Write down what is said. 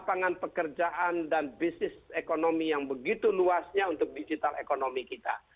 lapangan pekerjaan dan bisnis ekonomi yang begitu luasnya untuk digital ekonomi kita